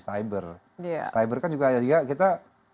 cyber kan juga ya kita baru masuk itu kalau benar benar target